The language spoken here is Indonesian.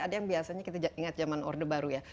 ada yang biasanya kita ingat zaman orde baru ya